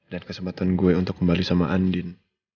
dan kesempatan gue untuk kembali sama andin